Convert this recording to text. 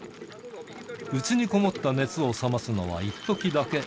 内に籠もった熱を冷ますのはいっときだけ。